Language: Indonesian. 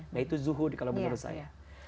nah itu zuhud kalau menurut saya